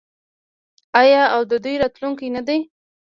آیا او د دوی راتلونکی نه دی؟